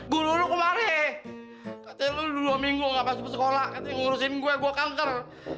gua dulu kemari katanya lo dua minggu nggak masuk sekolah katanya ngurusin gue gua kanker